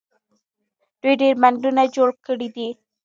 دوی ډیر بندونه جوړ کړي دي.